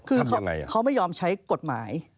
คือเขาไม่ยอมใช้กฎหมาย